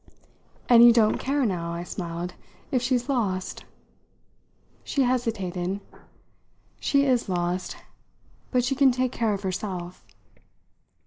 "And you don't care now," I smiled, "if she's lost!" She hesitated. "She is lost. But she can take care of herself."